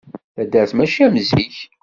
Taddart mačči am zik.